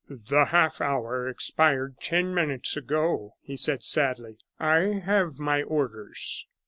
"The half hour expired ten minutes ago," he said, sadly. "I have my orders."